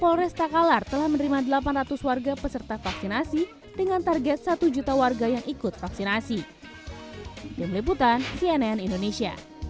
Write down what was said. polres takalar telah menerima delapan ratus warga peserta vaksinasi dengan target satu juta warga yang ikut vaksinasi